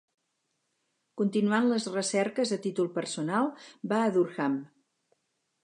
Continuant les recerques a títol personal, va a Durham.